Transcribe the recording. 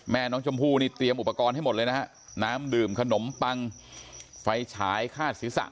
แม่น้องชมพู่นี่เตรียมอุปกรณ์ให้หมดเลยนะฮะน้ำดื่มขนมปังไฟฉายคาดศีรษะ